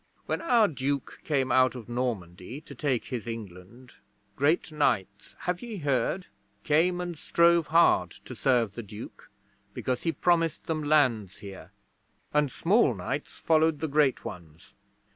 When our Duke came out of Normandy to take his England, great knights (have ye heard?) came and strove hard to serve the Duke, because he promised them lands here, and small knights followed the great ones.